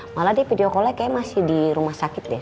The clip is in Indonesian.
malah dia video callnya kayaknya masih di rumah sakit deh